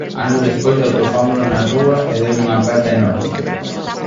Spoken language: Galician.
Anos despois atopámolo na rúa e deulle unha aperta enorme.